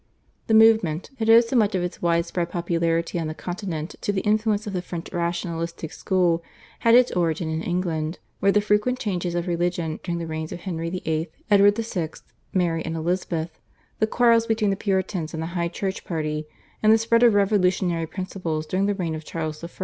The movement, that owed so much of its widespread popularity on the Continent to the influence of the French rationalistic school, had its origin in England, where the frequent changes of religion during the reigns of Henry VIII., Edward VI., Mary, and Elizabeth, the quarrels between the Puritans and the High Church party, and the spread of revolutionary principles during the reign of Charles I.